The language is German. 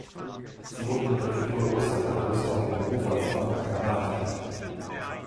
Sie wohnt in der Präfektur Osaka, wo sie auch ihrem Beruf als Mangaka nachgeht.